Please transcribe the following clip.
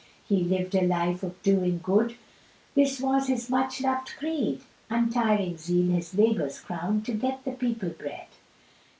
He lived a life of doing good, This was his much loved creed, Untiring zeal his labours crown'd "To get the people bread."